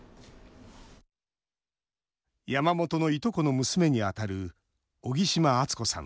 山本のいとこの娘にあたる荻島温子さん。